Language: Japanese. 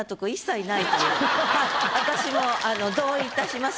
私も同意いたします